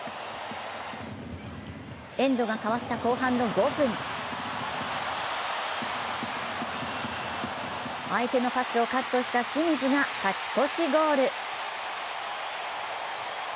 エンドが変わった後半の５分相手のパスをカットした清水が勝ち越しゴール。